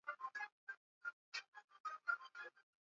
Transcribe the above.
edward na ethel beanov walisafiri kwa meli ya titanic